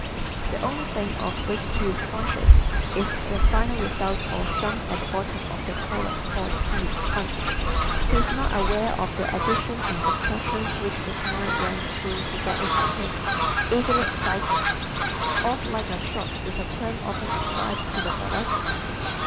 The only thing of which he is conscious is the final result or sum at the bottom of the column called his "hunch." He is not aware of the addition and subtraction which his mind went through to get it for him. Easily Excited ¶ "Off like a shot" is a term often applied to the Thoracic.